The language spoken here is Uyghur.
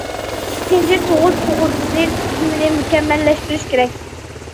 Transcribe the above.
ئىككىنچى، تۇغۇت سۇغۇرتىسى تۈزۈمىنى مۇكەممەللەشتۈرۈش كېرەك.